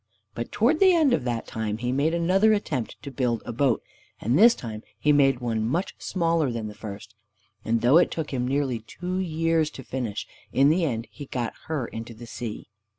But towards the end of that time he made another attempt to build a boat, and this time he made one much smaller than the first, and though it took him nearly two years to finish, in the end he got her into the sea.